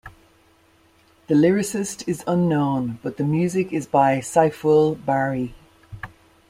The lyricist is unknown but the music is by Saiful Bahri.